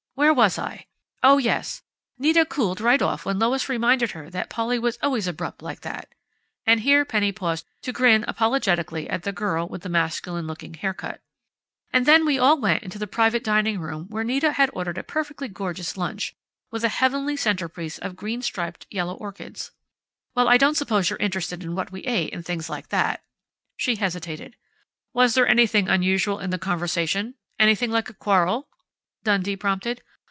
"Where was I?... Oh, yes! Nita cooled right off when Lois reminded her that Polly was always abrupt like that " and here Penny paused to grin apologetically at the girl with the masculine looking haircut, "and then we all went into the private dining room, where Nita had ordered a perfectly gorgeous lunch, with a heavenly centerpiece of green striped yellow orchids Well, I don't suppose you're interested in what we ate and things like that " she hesitated. "Was there anything unusual in the conversation anything like a quarrel?" Dundee prompted.